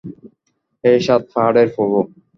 হে সাত পাহাড়ের প্রভু!